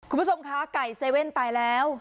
คุณผู้ชมคะไก่เซเว่นตายแล้ว